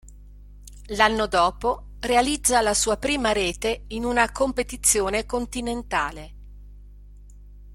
L'anno dopo realizza la sua prima rete in una competizione continentale.